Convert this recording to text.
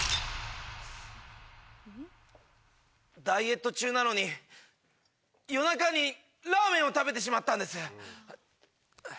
ダイエット中なのに夜中にラーメンを食べてしまったんです。